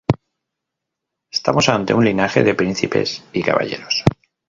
Estamos ante un linaje de príncipes y caballeros.